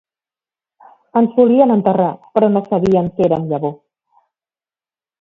Ens volien enterrar, però no sabien que érem llavor